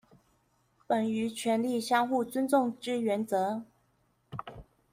本於權力相互尊重之原則